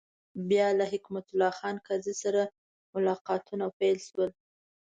بیا له حکمت الله خان کرزي سره ملاقاتونه پیل شول.